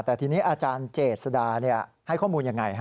แต่ทีนี้อาจารย์เจษดาให้ข้อมูลยังไง